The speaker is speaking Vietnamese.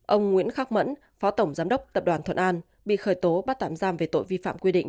ông nguyễn khắc mẫn phó tổng giám đốc tập đoàn thuận an bị khởi tố bắt tạm giam về tội vi phạm quy định